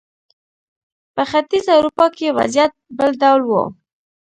په ختیځه اروپا کې وضعیت بل ډول و.